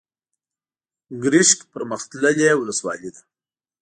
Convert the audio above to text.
ګرشک پرمختللې ولسوالۍ ده.